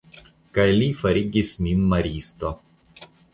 Kaj li farigis min maristo.